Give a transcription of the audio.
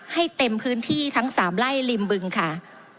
ให้เต็มพื้นที่ทั้งสามล่ายลิมบึงค่ะ